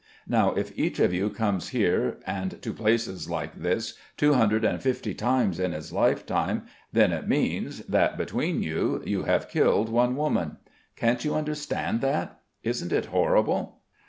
Now if each of you comes here and to places like this two hundred and fifty times in his lifetime, then it means that between you you have killed one woman. Can't you understand that? Isn't it horrible?"